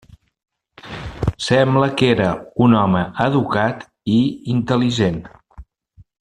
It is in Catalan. Sembla que era un home educat i intel·ligent.